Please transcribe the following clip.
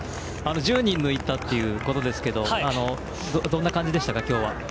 １０人抜いたということですけどどんな感じでしたか、今日は。